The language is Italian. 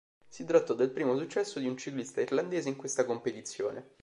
Si trattò del primo successo di un ciclista irlandese in questa competizione.